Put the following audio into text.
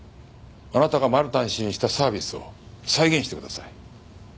あなたがマルタン氏にしたサービスを再現してください。